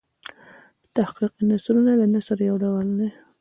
تحقیقي نثر د نثر یو ډول دﺉ.